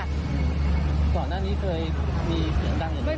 ก่อนหน้านี้เคยมีเสียงดังอยู่ไหม